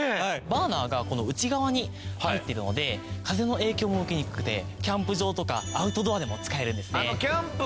バーナーが内側に入っているので風の影響も受けにくくてキャンプ場とかアウトドアでも使えるんですね。